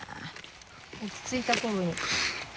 落ちついた頃に。